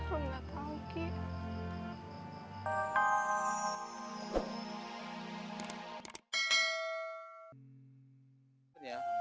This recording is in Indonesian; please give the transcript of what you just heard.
aku gak tau ki